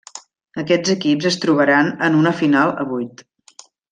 Aquests equips es trobaran en una final a vuit.